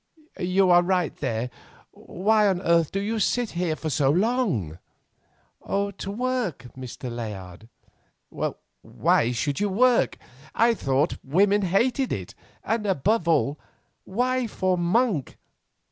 "You are right there. Why on earth do you sit here so long?" "To work, Mr. Layard." "Why should you work? I thought women hated it, and above all, why for Monk?